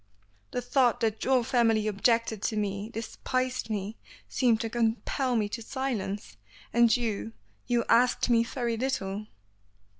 The thought that your family objected to me, despised me, seemed to compel me to silence. And you you asked me very little."